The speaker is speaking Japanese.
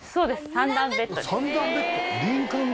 ３段ベッド！？